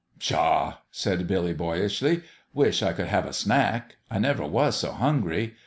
"Pshaw!" said Billy, boyishly. "Wish I could have a snack. I never was so hungry.